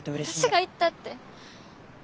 私が行ったって。